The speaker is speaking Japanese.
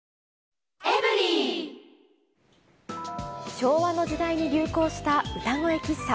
昭和の時代に流行した歌声喫茶。